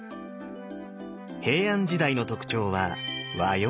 平安時代の特徴は和様化。